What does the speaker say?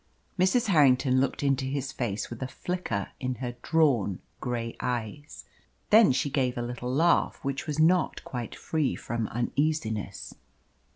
Mrs. Harrington looked into his face with a flicker in her drawn grey eyes. Then she gave a little laugh which was not quite free from uneasiness.